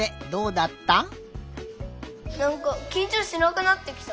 なんかきんちょうしなくなってきた！